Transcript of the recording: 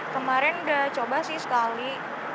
kemarin sudah coba sih sekali